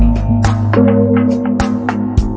วิ่งเร็วมากครับ